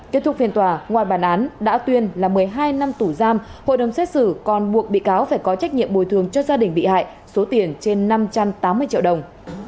kết thúc phiên tòa ngoài bản án đã tuyên là một mươi hai năm tù giam hội đồng xét xử còn buộc bị cáo phải có trách nhiệm bồi thường cho gia đình bị hại số tiền trên năm trăm tám mươi triệu đồng